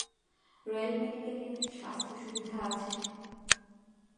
Rail medical unit স্বাস্থ্য সুবিধা আছে।